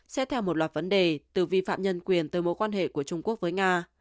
xét theo một loạt vấn đề từ vi phạm nhân quyền từ mối quan hệ của trung quốc với nga